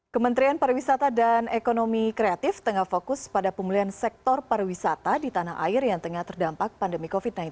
kementerian pariwisata dan ekonomi kreatif tengah fokus pada pemulihan sektor pariwisata di tanah air yang tengah terdampak pandemi covid sembilan belas